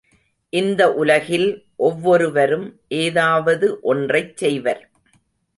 இந்த உலகில் ஒவ்வொருவரும் ஏதாவது ஒன்றைச் செய்வர்.